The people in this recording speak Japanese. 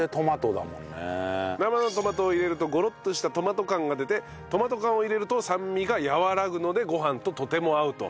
生のトマトを入れるとゴロッとしたトマト感が出てトマト缶を入れると酸味が和らぐのでご飯ととても合うと。